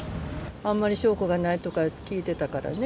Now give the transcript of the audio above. あんまり証拠がないとか聞いてたからね。